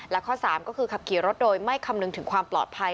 และข้อ๓ก็คือขับขี่รถโดยไม่คำนึงถึงความปลอดภัย